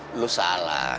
hai lu salah